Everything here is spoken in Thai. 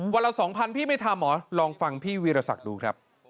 วันละ๒๐๐พี่ไม่ทำเหรอลองฟังพี่วีรศักดิ์ดูครับ